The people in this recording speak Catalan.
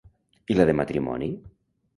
I la de matrimoni?